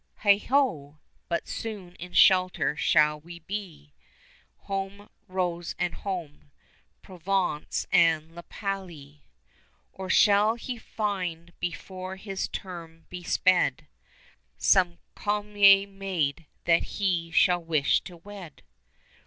Heigh ho! but soon in shelter shall we be: Home, Rose, and home, Provence and La Palie. Or shall he find before his term be sped, 30 Some comelier maid that he shall wish to wed?